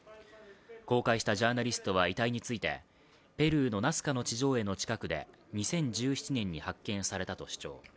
公開したジャーナリストは遺体について、ペルーのナスカの地上絵の近くで２０１７年に発見されたと主張。